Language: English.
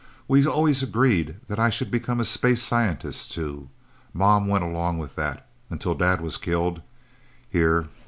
We always agreed that I should become a space scientist, too. Mom went along with that until Dad was killed, here...